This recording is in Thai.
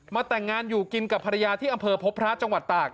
แต่งงานอยู่กินกับภรรยาที่อำเภอพบพระจังหวัดตาก